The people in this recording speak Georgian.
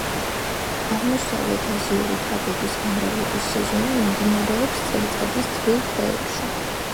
აღმოსავლეთაზიური თაგვების გამრავლების სეზონი მიმდინარეობს წელიწადის თბილ თვეებში.